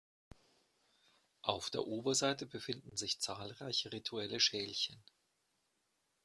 Auf der Oberseite befinden sich zahlreiche rituelle Schälchen.